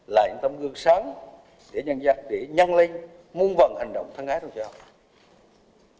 là những tấm gương sáng để nhân linh mung vận hành động thân ái trong xã hội